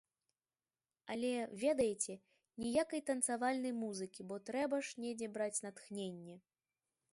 Але, ведаеце, ніякай танцавальнай музыкі, бо трэба ж недзе браць натхненне!